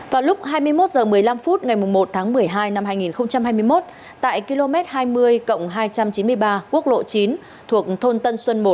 vào lúc hai mươi một h một mươi năm phút ngày một tháng một mươi hai năm hai nghìn hai mươi một tại km hai mươi cộng hai trăm chín mươi ba quốc lộ chín thuộc thôn tân xuân một